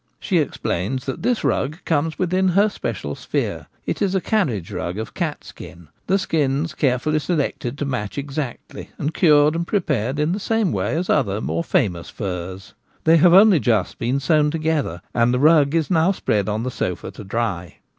She explains that this rug comes within her special sphere. It is a carriage rug of cat skin ; the skins carefully selected to match exactly, and cured and prepared in the same way as other more famous furs. They have only just been sewn together, and the rug is now spread on the sofa to dry.